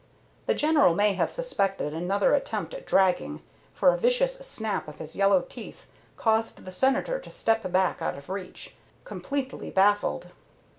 The General may have suspected another attempt at dragging, for a vicious snap of his yellow teeth caused the Senator to step back out of reach, completely baffled.